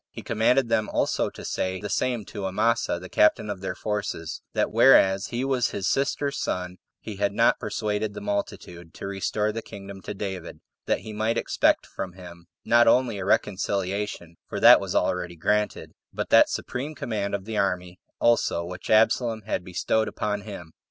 He commanded them also to say the same to Amasa the captain of their forces, That whereas he was his sister's son, he had not persuaded the multitude to restore the kingdom to David; that he might expect from him not only a reconciliation, for that was already granted, but that supreme command of the army also which Absalom had bestowed upon him.